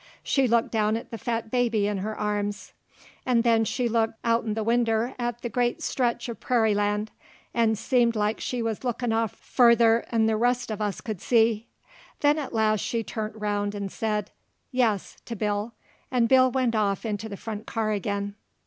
She looked down at the fat baby in her arms, 'nd then she looked out'n the winder at the great stretch uv prairie land, 'nd seemed like she wuz lookin' off further 'n the rest uv us could see. Then at last she turnt around 'nd said, "Yes," to Bill, 'nd Bill went off into the front car ag'in.